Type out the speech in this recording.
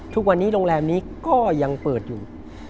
ทุกวันนี้โรงแรมนี้ก็ยังเปิดอยู่